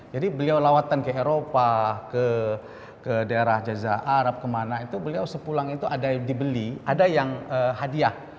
jadi beliau lawatan ke eropa ke daerah jajah arab kemana itu beliau sepulang itu ada yang dibeli ada yang hadiah